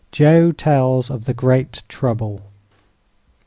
JOE TELLS OF "THE GREAT TROUBLE."